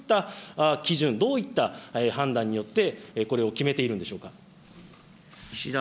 こういった基準、どういった判断によって、これを決めているんで岸田